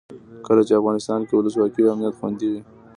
کله چې افغانستان کې ولسواکي وي امنیت خوندي وي.